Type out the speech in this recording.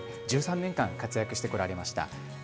１３年間活躍してこられました。